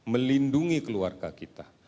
melindungi keluarga kita